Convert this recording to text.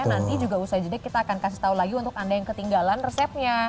nanti juga usai jeda kita akan kasih tahu lagi untuk anda yang ketinggalan resepnya